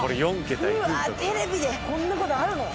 うわっ、テレビで、こんなことあるの？